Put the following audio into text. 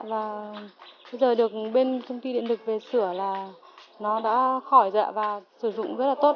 và bây giờ được bên công ty điện lực về sửa là nó đã khỏi dạ và sử dụng rất là tốt